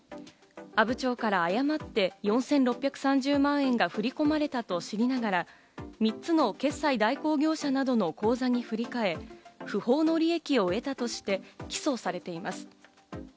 阿武町から誤って４６３０万円が振り込まれたと知りながら３つの決済代行業者などの口座に振り替え、不法の利益を得たとして起訴されています。